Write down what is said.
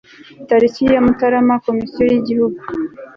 tariki ya mutarama komisiyo y igihugu